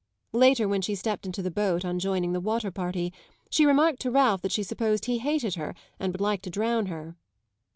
Later, when she stepped into the boat on joining the water party, she remarked to Ralph that she supposed he hated her and would like to drown her.